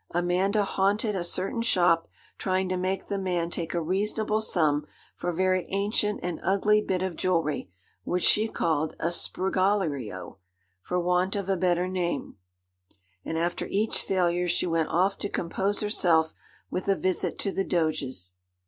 Amanda haunted a certain shop, trying to make the man take a reasonable sum for a very ancient and ugly bit of jewellery, which she called 'a sprigalario,' for want of a better name; and after each failure she went off to compose herself with a visit to the Doges.